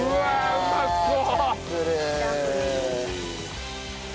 うまそう。